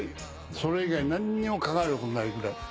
それ以外何にも考えることないぐらい。